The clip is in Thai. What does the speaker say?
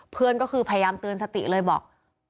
เพื่อนก็คือพยายามเตือนสติเลยบอก